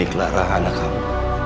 ini clara anak kamu